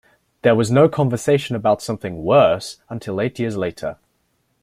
There was no conversation about something 'worse' until eight years later.